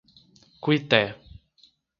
Cuité